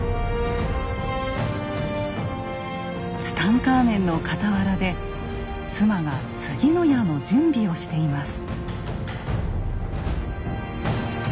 ツタンカーメンの傍らで妻が次の矢の準備をしています。